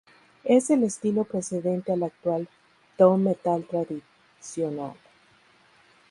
Es el estilo precedente al actual "doom metal tradicional".